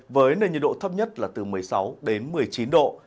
với nền nhiệt độ thấp nhất là từ một mươi sáu đến một mươi chín độ